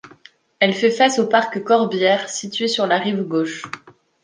Elle fait face au parc Corbière situé sur la rive gauche.